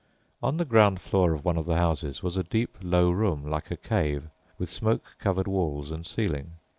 On the ground floor of one of the houses was a deep, low room, like a cave, with smoke covered walls and ceiling.